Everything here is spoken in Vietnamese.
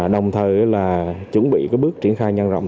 đồng thời là chuẩn bị bước triển khai nhân rộng